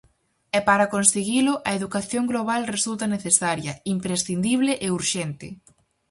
E para conseguilo a Educación Global resulta necesaria, imprescindible e urxente.